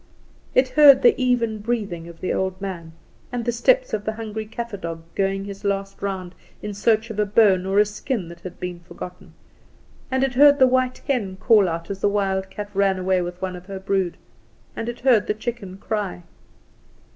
It heard the even breathing of the old man, and the steps of the hungry Kaffer dog going his last round in search of a bone or a skin that had been forgotten; and it heard the white hen call out as the wild cat ran away with one of her brood, and it heard the chicken cry.